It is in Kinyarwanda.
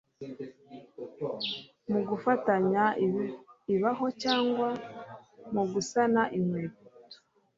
mu gufatanya ibaho cyangwa mu gusana inkweto